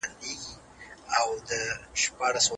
مطالعه ذهن خلاصوي.